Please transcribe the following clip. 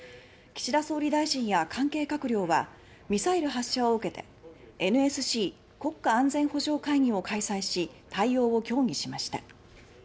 岸田総理大臣や関係閣僚はミサイル発射を受けてＮＳＣ・国家安全保障会議を開催し対応を協議しました。